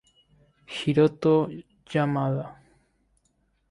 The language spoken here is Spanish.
Hiroto Yamada